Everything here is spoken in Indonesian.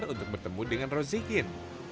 untuk bertemu dengan rozikin